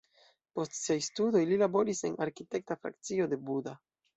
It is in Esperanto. Post siaj studoj li laboris en arkitekta frakcio de Buda.